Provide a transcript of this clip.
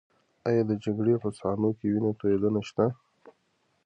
ایا د جګړې په صحنو کې وینه تویدنه شته؟